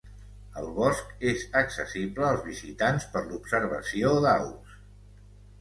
El bosc és accessible als visitants per l'observació d'aus.